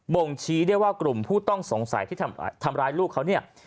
บ่งชี้เรียกว่ากลุ่มผู้ต้องสงสัยที่ทำร้ายลูกเขา